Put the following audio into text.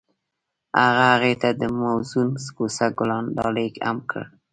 هغه هغې ته د موزون کوڅه ګلان ډالۍ هم کړل.